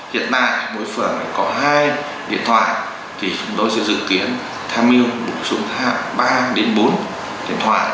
hiện tại mỗi phường có hai điện thoại thì chúng tôi sẽ dự kiến tham mưu bổ sung ba bốn điện thoại